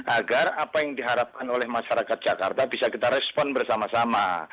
agar apa yang diharapkan oleh masyarakat jakarta bisa kita respon bersama sama